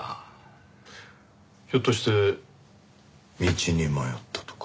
ひょっとして道に迷ったとか？